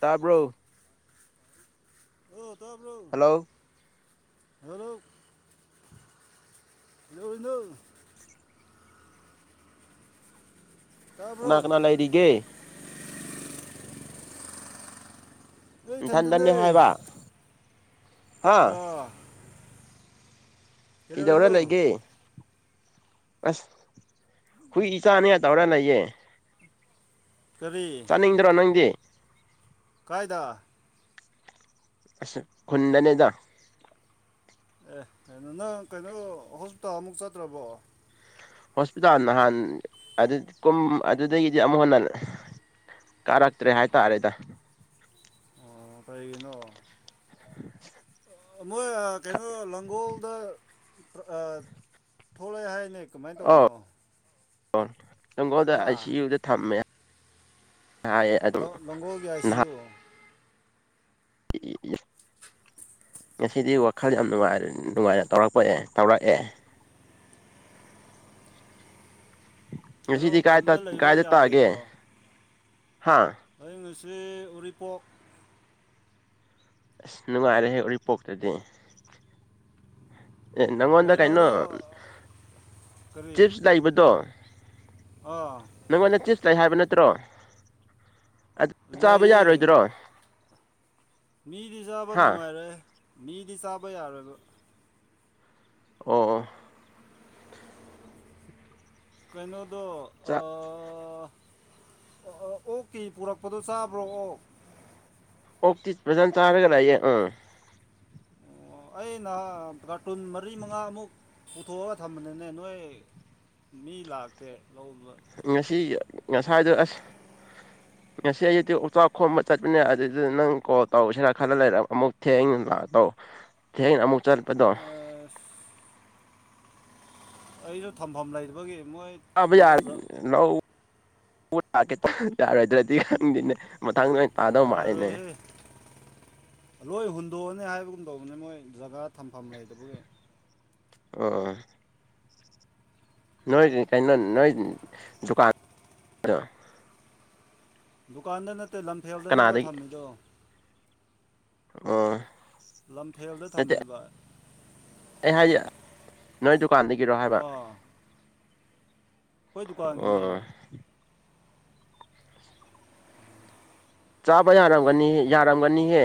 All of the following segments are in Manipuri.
ꯇꯕꯔꯣ ꯇꯕꯔꯣ ꯍꯜꯂꯣ ꯍꯜꯂꯣ ꯃ ꯅ [inaudible] ꯀꯅꯥ ꯀꯅꯥ ꯂꯩꯥꯏꯔꯤꯒꯦ ꯊꯟꯙꯅꯤ ꯍꯥꯏꯕ ꯍꯥ ꯀꯩꯗꯧꯔ ꯂꯩꯒꯦ ꯑꯁ ꯍꯨꯏ ꯏꯆꯥꯅꯦ ꯇꯧꯔ ꯂꯩꯌꯦ ꯆꯥꯟ ꯍꯤꯡꯗꯔꯣ ꯅꯪꯗꯤ ꯀꯥꯏꯗ ꯑꯁ ꯈꯨꯟꯗꯅꯦꯗ ꯑꯦ ꯀꯩꯅꯣ ꯅꯪ ꯀꯩꯅꯣ ꯍꯣꯁꯄꯤꯇꯥꯜꯃꯨꯛ ꯆꯠꯇ꯭ꯔꯕꯣ ꯍꯣꯁꯄꯤꯇꯥꯜ ꯅꯍꯥꯟ ꯀ ꯑꯗꯨꯗꯒꯤꯗꯤ ꯑꯃꯨꯛ ꯍꯟꯅ ꯀꯥꯔꯛꯇ꯭ꯔꯦ ꯍꯥꯏꯇꯥꯔꯦꯗ ꯑꯣ ꯀꯩꯒꯤꯅꯣ ꯃꯣꯏ ꯀꯩꯅꯣ ꯂꯪꯒꯣꯜ [unintelligible] ꯊꯣꯂꯛꯑ‌ꯦ ꯍꯥꯏꯅꯦ ꯀꯃꯥꯏꯅ ꯇꯧꯕꯅꯣ ꯑꯣꯟ ꯂꯪꯒꯣꯟꯗ ꯑꯥꯏ ꯁꯤ ꯌꯨꯗ ꯊꯝꯃꯦ ꯍꯥꯏꯌ‌ꯦ ꯑꯗꯨ ꯅꯍꯥꯟ ꯉꯁꯤꯗꯤ ꯋꯥ ꯈꯔ ꯌꯥꯝ ꯅꯨꯡꯉꯥꯏ ꯅꯨꯡꯉꯥꯏꯔꯦ ꯇꯧꯔꯛꯄ ꯄꯛꯑꯦ ꯇꯧꯔꯛꯑꯦ ꯉꯁꯤꯗꯤ ꯀꯥꯏ ꯀꯥꯏꯗ ꯇꯥꯒꯦ ꯍꯥ ꯑ [unintelligible] ꯔꯤ ꯎꯔꯤꯄꯣꯛ ꯑꯁ ꯅꯨꯡꯉꯥꯏꯔꯦꯍꯦ ꯎꯔꯤꯄꯣꯛꯇꯗꯤ ꯑꯦ ꯅꯪꯉꯣꯟꯗ ꯀꯩꯅꯣ ꯆꯤꯞꯁ ꯂꯩꯕꯗꯣ ꯅꯪꯉ‌ꯣꯟꯗ ꯆꯤꯞꯁ ꯂꯩ ꯍꯥꯏꯕ ꯅ ꯀꯨꯇ꯭ꯔ [unintelligible] ꯑꯗꯨ ꯆꯥꯕ ꯌꯥꯔꯣꯏꯗ꯭ꯔꯣ ꯃꯤꯗꯤ ꯆꯥꯕ ꯍꯥ ꯅꯨꯡꯉꯥꯏꯔ‌ꯣꯏ ꯃꯤꯗꯤ ꯆꯥꯕ ꯌꯥꯔ‌ꯣꯏꯕ ꯑꯣ ꯀꯩꯅꯣ ꯗꯣ ꯆꯥ ꯑꯥ ꯑꯣꯛꯀꯤ ꯄꯨꯔꯛꯄꯗꯣ ꯆꯥꯕ꯭ꯔꯣ ꯑꯣ ꯑꯣꯛꯇꯤ ꯐꯖꯅ ꯆꯥꯔꯒ ꯂꯥꯛꯌꯦ ꯎꯝ ꯑꯩꯅ ꯀꯥꯔꯇꯨꯟ ꯃꯔꯤ ꯃꯉꯥꯃꯨꯛ ꯄꯨꯊꯣꯛꯑꯒ ꯊꯝꯕꯅꯤꯅꯦ ꯅꯣꯏ ꯃꯤ ꯂꯥꯛꯇꯦ ꯂꯧꯕ ꯉꯁꯤ ꯉꯁꯥꯏꯗ ꯑꯁ ꯉꯁꯤ ꯑꯩꯌꯨꯛꯗꯤ ꯑꯣꯛꯆꯥꯛ ꯈꯣꯝꯕ ꯆꯠꯄꯅꯦ ꯑꯗꯨꯗꯨꯗ ꯅꯪ ꯀꯣꯜ ꯇꯧꯁꯤꯔ ꯈꯔ ꯂꯩꯔ ꯑꯃꯨꯛ ꯊꯦꯡꯅ ꯂꯥꯛ ꯇꯧ ꯊꯦꯡꯅ ꯑꯃꯨꯛ ꯆꯠ ꯄꯗꯣ ꯑꯁ ꯑꯩꯁꯨ ꯊꯝꯐꯝ ꯂꯩꯕꯒꯤ ꯑꯕ ꯌꯥꯥ ꯅꯧ [unintelligible] ꯌꯥꯔꯣꯏꯗ꯭ꯔꯗꯤ ꯈꯪꯗ‌ꯦꯅꯦ ꯃꯇꯥꯡꯗ ꯑꯣꯏ ꯇꯥꯗꯧ ꯃꯥꯜꯂꯤꯅ‌ꯦ ꯌꯥꯔꯣꯏꯍꯦ ꯑꯗꯨꯒꯨꯝ ꯇꯧꯕꯅꯤ ꯃꯣꯏ ꯖꯒꯥ ꯊꯝꯐꯝ ꯂꯩꯇꯕꯒꯤ ꯑꯣ ꯅꯣꯏ ꯀꯩꯅꯩꯅ ꯅꯣꯏ ꯖꯨꯀꯥ ꯗꯨꯀꯥꯟꯗ ꯅ ꯑꯇꯩ ꯂꯝꯐꯦꯜꯗꯅꯦꯕ ꯊꯝꯃꯤꯗꯣ ꯑ ꯂꯝꯐꯦꯜꯗ ꯊꯝꯃꯦꯕꯚ ꯑꯦ ꯍꯥꯏ ꯌꯥ ꯅ ꯀꯥꯟꯗꯒꯤꯔꯣ ꯍꯥꯏꯕ ꯑꯩꯣꯏ ꯗꯨꯀꯥꯟꯒꯤꯅꯦ ꯑꯣ ꯆꯥꯕ ꯌꯥꯔꯝꯒꯅꯤ ꯌꯥꯔꯝꯒꯅꯤꯍꯦ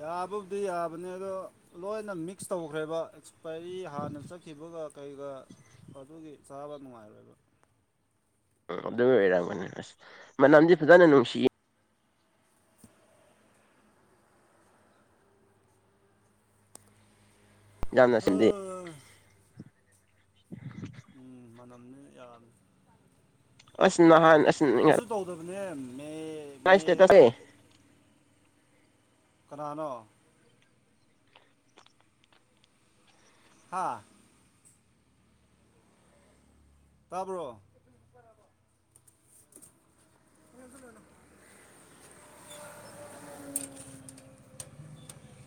ꯌꯥꯕꯕꯨꯗꯤ ꯌꯥꯕꯅꯤ ꯑꯗꯣ ꯂꯣꯏꯅ ꯃꯤꯛꯁ ꯇꯧꯈ꯭ꯔꯦꯕ ꯑꯦꯛꯁꯄꯔꯤ ꯍꯥꯟꯅ ꯆꯠꯈꯤꯕꯒ ꯀꯩꯒ ꯑꯗꯨꯒꯤ ꯆꯥꯕ ꯅꯨꯡꯉꯥꯏꯔꯣꯏꯕ ꯎꯝ ꯑꯗꯨꯝ ꯑꯣꯏꯔꯝꯒꯅꯤ ꯑꯁ ꯃꯅꯝꯁ ꯐꯖꯅ ꯅꯨꯡꯁꯤꯌꯦ ꯌꯥꯝꯅ ꯁꯤꯟꯗꯦ ꯎꯝ ꯎꯝ ꯃꯅ ꯈꯅ ꯌꯥꯝ ꯑꯁ ꯅꯍꯥꯟ ꯆꯅꯤꯡꯉ ꯃꯩꯅ ꯀ ꯏꯁꯇꯦ ꯇꯁꯦ ꯀꯅꯣ ꯍꯥꯥ ꯇꯥꯕ꯭ꯔꯣ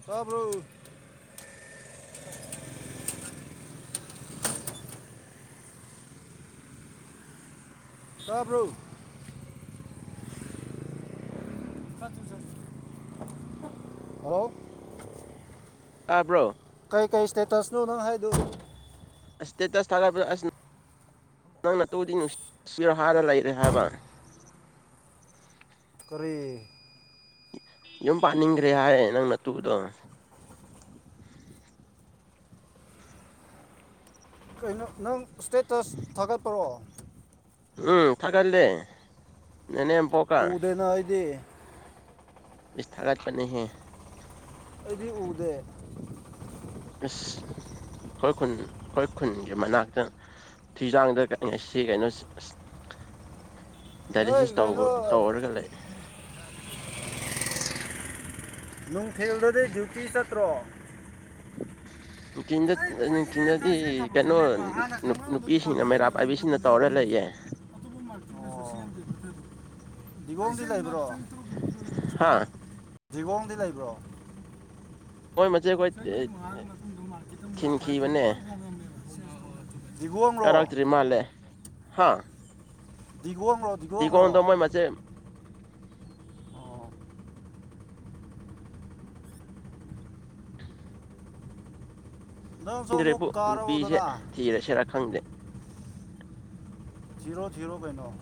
ꯍꯥꯕ꯭ꯔꯨ ꯍꯥꯥꯕ꯭ꯔꯨ ꯍ ꯇꯥꯕ꯭ꯔꯣ ꯀ ꯁꯇꯦꯇꯁ ꯅ ꯅꯪ ꯍꯥꯏꯗꯨ ꯑꯁ ꯏꯁꯇꯦꯇꯁ ꯊꯥꯒꯠꯄ ꯑꯁ ꯅꯪꯅ ꯇꯧꯗꯤ ꯍꯥꯟꯔ ꯂꯩꯔꯦ ꯍꯥꯏꯕ ꯇꯦ ꯌꯨꯝ ꯄꯥꯅꯤꯡꯈ꯭ꯔꯦ ꯍꯥꯏ ꯅꯪꯅ ꯇꯨꯗꯣ ꯀꯩꯅꯣ ꯅꯪ ꯁ꯭ꯇꯦꯇꯁ ꯊꯥꯒꯠꯄꯔꯛꯣ ꯎꯝ ꯊꯒꯗꯦ ꯎꯗꯅ ꯑꯩꯗꯤ ꯁꯊꯥꯠ ꯄꯅꯦ ꯍ ꯑꯩꯗꯤ ꯎꯗꯦ ꯑꯁ ꯈꯨꯣꯏ ꯈꯨꯟ ꯈꯨꯔ ꯈꯨꯨꯟꯒꯤ ꯃꯅꯥꯛꯇ ꯊꯤꯖꯥꯡꯗ ꯉꯁꯤ ꯀꯩꯅꯣꯁꯤ ꯑꯁ ꯅꯣꯏ ꯗꯥꯏꯂꯦꯁꯤꯁ ꯇꯧꯕ ꯀꯩꯅꯣ ꯇꯧꯔꯒ ꯂꯩ ꯅꯣꯡ ꯐꯤꯜꯗꯨꯗꯤ ꯗ꯭ꯌꯨꯇꯤ ꯆꯠꯇ꯭ꯔꯣ ꯅꯨꯡꯊꯤꯟꯗ ꯑꯩ ꯀꯨꯏꯔꯦ ꯅꯨꯡꯊꯤꯟꯗꯗꯤ ꯁꯤ ꯊꯕꯛꯁꯦ ꯀꯩꯅꯣ ꯂꯦꯞꯄ ꯍꯥꯟꯅ ꯈꯪꯍꯔꯝꯕ ꯗꯨꯀꯥꯟ ꯅꯨꯄꯤꯁꯤꯡꯅ ꯈꯔꯗꯣ ꯃꯩꯔꯥ ꯄꯥꯏꯕꯤꯁꯤꯡꯅ ꯑꯩꯅꯦ ꯑꯩ ꯇꯧꯔ ꯄꯤꯔꯤꯁꯦ ꯂꯩꯌꯦ ꯑꯇꯣꯞꯄ ꯗꯤꯕꯣꯝꯗꯤ ꯂꯩꯕ꯭ꯔꯣ ꯍꯥꯥ ꯗꯤꯕꯣꯡ ꯗꯤ ꯂꯩꯕ꯭ꯔꯣ ꯃꯣꯏ ꯃꯆꯦꯈꯣꯏ ꯆꯍꯤ ꯃꯔꯤ ꯃꯉꯥꯒꯤ ꯃꯇꯨꯡꯗ ꯃꯥꯔꯀꯦꯠꯇꯨꯛ ꯂꯥꯛꯄ ꯍꯥꯏꯁꯦ ꯄꯨꯂꯞ ꯍꯣꯡꯉꯝꯃꯦꯕ ꯌꯥꯔꯥꯛꯇꯔꯤ ꯃꯥꯜꯂꯦ ꯍꯥꯥ ꯗꯤꯒꯣꯡꯔꯣ ꯗꯤꯒꯣꯡꯔꯣ ꯏꯗ꯭ꯔꯦꯕꯨ ꯅꯨꯄꯤꯁꯦ ꯊꯤꯔꯁꯤꯔꯥ ꯈꯪꯗꯦ ꯊꯤꯔ‌ꯣ ꯊꯤꯔ‌ꯣ ꯀꯩꯅ‌ꯣ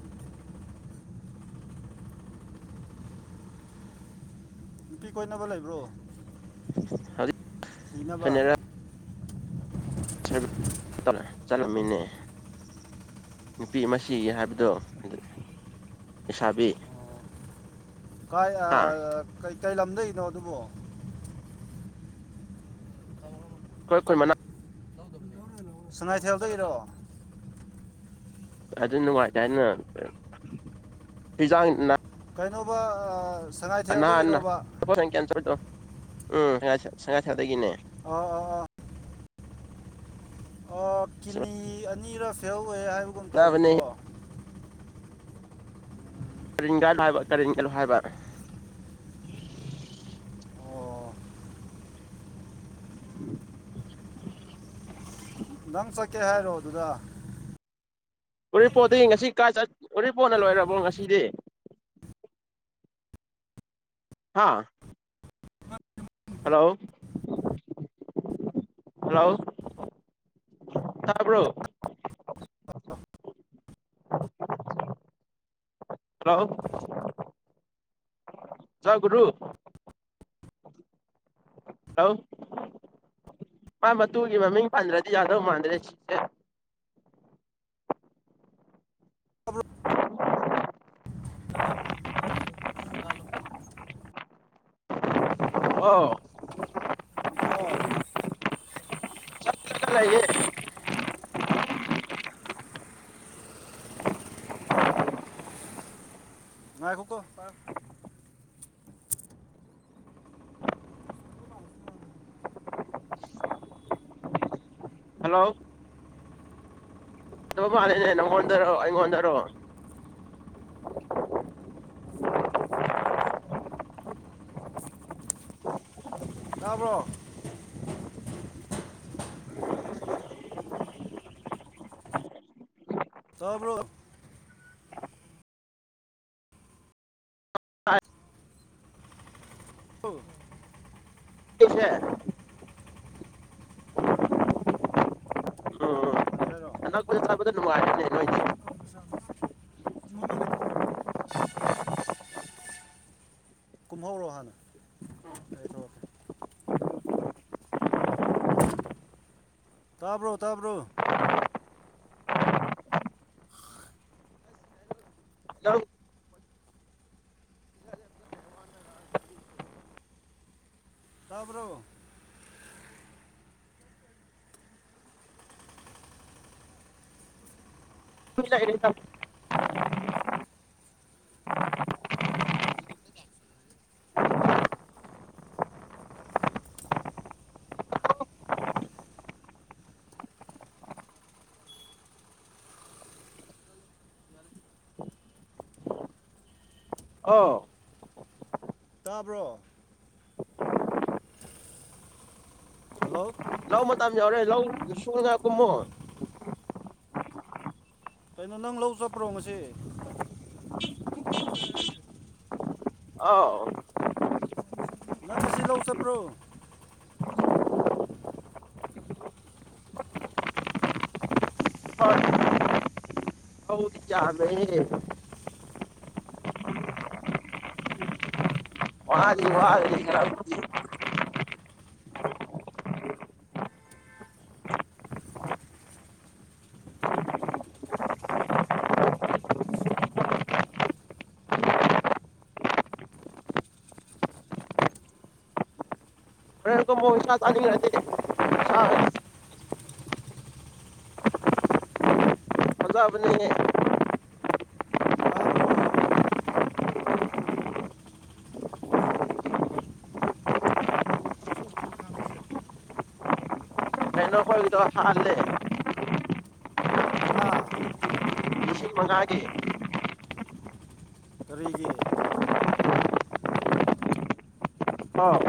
ꯅꯨꯄꯤ ꯀꯣꯏꯅꯕ ꯂꯩꯕ꯭ꯔꯣ ꯐꯟꯅꯔ ꯇꯔꯦ ꯆꯠꯂꯝꯃꯤꯅꯦ ꯅꯨꯄꯤ ꯃꯁꯤ ꯍꯥꯏꯕꯗꯣ ꯏꯁꯥꯕꯤ ꯀꯥꯏ ꯀ ꯀꯩ ꯂꯝꯗꯅꯣ ꯑꯗꯨꯕꯣ ꯑꯩꯈꯣꯏ ꯈꯣꯏ ꯃꯅꯥ ꯁꯉꯥꯏꯊꯦꯜꯗꯩꯑꯣ ꯑꯗꯨ ꯅꯨꯡꯉꯥꯏꯇꯦꯅ ꯍꯤꯖꯥꯡ ꯀꯩꯅꯣꯕ ꯂꯄꯈ ꯁꯉꯥꯏꯊꯦꯜꯗꯒꯤꯔꯣꯕ [unintelligible] ꯎꯝ ꯁꯉꯥꯏ ꯁꯉꯥꯏ ꯊꯦꯜꯗꯒꯤꯅꯦ ꯑꯣ ꯑ ꯑ ꯀꯅꯤ ꯑꯅꯤ ꯔꯣꯐꯦꯜ ꯊꯣꯛꯑꯦ ꯍꯥꯏꯕꯒꯨꯝ ꯐꯖꯕꯅꯦ ꯇꯧꯕꯗꯨꯔꯣ ꯀꯔꯤꯡꯒ ꯂꯍꯕ ꯀꯔꯤꯡꯒ ꯂꯍꯥꯏꯕꯔ ꯑꯣ [unintelligible] ꯅꯪ ꯆꯠꯀꯦ ꯍꯥꯏꯔꯣ ꯑꯗꯨꯗ ꯎꯔꯤꯄꯣꯗꯤ ꯉꯁꯤ ꯀꯥꯏ ꯆꯠ ꯎꯔꯤꯄꯣꯠꯅ ꯂꯣꯏꯔꯕꯣ ꯉꯁꯤꯗꯤ ꯍꯥꯥ ꯍꯜꯂꯣ ꯍꯜꯂꯣ ꯇꯥꯕ꯭ꯔꯣ ꯍ ꯖꯒꯨꯔꯨ ꯍꯣ ꯃꯥꯥꯏꯕꯊ ꯃꯃꯤ ꯄꯥꯟꯗ꯭ꯔꯗꯤ ꯌꯥꯥꯗ ꯃꯥꯥꯟꯗ꯭ꯔꯦꯦ [unintelligible] ꯑꯣ ꯑꯣ ꯆꯠꯠ ꯂꯩꯌꯦ ꯉꯈꯣ ꯀꯣ ꯍꯜꯂꯣ ꯑ ꯃꯥꯅꯦꯅꯦ ꯅꯪꯣꯣꯟꯟꯗꯔꯣ ꯏꯉꯣꯟꯗꯔꯣ ꯇꯥꯕ꯭ꯔꯣ ꯇꯕ꯭ꯔꯨꯛ ꯎꯝ ꯁꯦ ꯍꯪꯖꯔꯣ ꯅꯨꯡꯉꯥꯏꯣꯏ ꯃꯃꯂꯦ ꯊꯣ ꯀꯨꯝꯍꯧꯔꯣ ꯍꯥꯟꯅ ꯑꯩꯀꯦ ꯇꯥꯕ꯭ꯔꯣ ꯇꯥꯕ꯭ꯔꯣ ꯅꯪ ꯇꯥꯕ꯭ꯔꯣ [unintelligible] ꯑ ꯇꯥꯕ꯭ꯔꯣ ꯍꯜꯂꯣ ꯂꯧ ꯃꯇꯝ ꯌꯥꯎꯔꯦ ꯂꯧ ꯁꯨꯉꯒ ꯀꯨꯝꯃꯣ ꯀꯩꯅꯣ ꯅꯪ ꯂꯧ ꯆꯠꯄ꯭ꯔꯣ ꯉꯁꯤꯦ ꯑꯥꯎ ꯅꯪ ꯉꯁꯤ ꯂꯧ ꯆꯠꯄ꯭ꯔꯣ ꯍꯧꯧꯗꯤ ꯆꯥꯕ [unintelligible] ꯆꯨꯝꯅ ꯋꯥꯥꯗꯤ ꯆꯠꯁꯦ ꯍꯥꯏꯔꯣ ꯋꯥꯂꯦ ꯉꯔꯥꯡꯗꯤ ꯃꯣ ꯃꯁꯁ ꯑꯅꯤ ꯔ [inaudible] ꯐꯖꯥꯕꯅꯦ ꯇꯥꯕꯂꯣ ꯥꯁꯦ [inaudible] ꯀꯩꯅꯣꯈꯗꯣ ꯍꯥꯂꯦ ꯍꯥ ꯄꯤꯝꯕꯒꯥꯥꯜꯒꯤ [inaudible] ꯀꯔꯤꯒꯤ ꯑꯥꯎ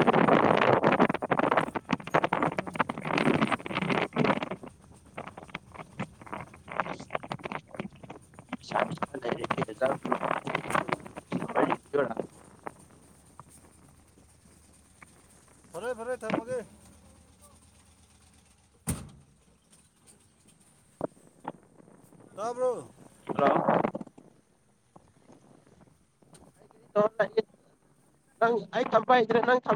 ꯄꯩꯁꯥ ꯄꯤꯁꯥ [inaudible] ꯐꯔꯦ ꯐꯔꯦ ꯊꯝꯃꯒꯦ ꯇꯥꯕ꯭ꯔꯣ ꯍꯜꯂꯣ ꯅꯪ ꯑꯩ ꯊꯝꯄꯥ ꯍꯩꯇꯔꯦ ꯅꯪ ꯊꯝꯑꯣ